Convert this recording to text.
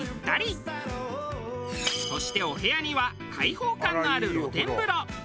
そしてお部屋には開放感のある露天風呂。